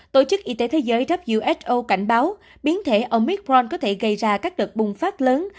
tổ chức y tế thế giới who cảnh báo biến thể omithpron có thể gây ra các đợt bùng phát lớn